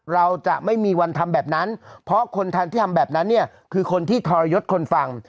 เราจะไม่มีวันทำแบบนั้นเพราะคนที่ทำแบบนั้นเนี่ยคือคนที่ทรยศคนฟัง